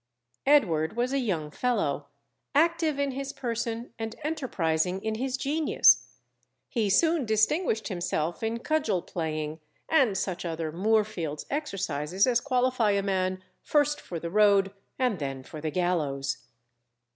Edward was a young fellow, active in his person and enterprising in his genius; he soon distinguished himself in cudgel playing, and such other Moorfields exercises as qualify a man first for the road and then for the gallows.